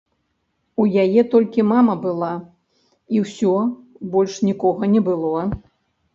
У яе толькі мама была, і ўсё, больш нікога не было.